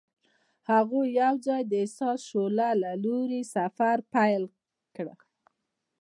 هغوی یوځای د حساس شعله له لارې سفر پیل کړ.